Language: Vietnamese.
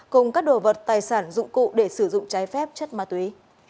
cùng các đồ vật tài sản dụng cụ để sử dụng trái phép chất ma túy